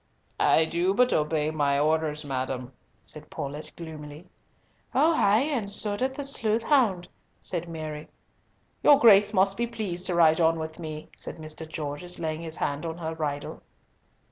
"I do but obey my orders, madam," said Paulett, gloomily. "Oh ay, and so does the sleuth hound," said Mary. "Your Grace must be pleased to ride on with me," said Mr. Gorges, laying his hand on her bridle.